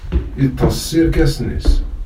Yeṭṭes s yirkasen-is.